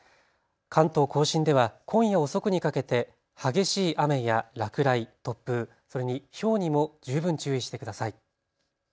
関東甲信では今夜遅くにかけて激しい雨や落雷、突風、それにひょうにも十分注意してください。